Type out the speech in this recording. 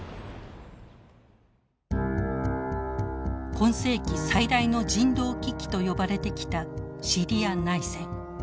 今世紀最大の人道危機と呼ばれてきたシリア内戦。